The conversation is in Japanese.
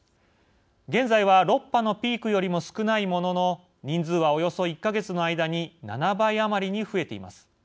現在は６波のピークよりも少ないものの人数はおよそ１か月の間に７倍余りに増えています。